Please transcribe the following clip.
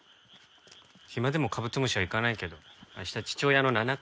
暇でもカブトムシは行かないけど明日父親の七回忌。